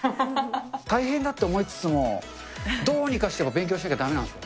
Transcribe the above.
大変だって思いつつも、どうにかして勉強しなきゃだめなんですよ。